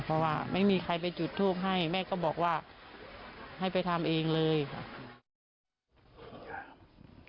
เพราะว่าไม่มีใครไปจุดทูปให้แม่ก็บอกว่าให้ไปทำเองเลยค่ะ